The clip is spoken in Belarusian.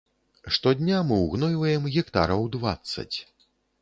Штодня мы ўгнойваем гектараў дваццаць.